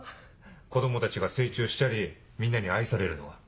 子供たちが成長したりみんなに愛されるのが。